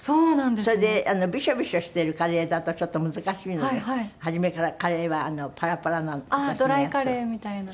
それでビショビショしているカレーだとちょっと難しいので初めからカレーはパラパラなの私のやつは。